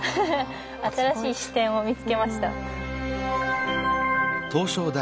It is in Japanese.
新しい視点を見つけました。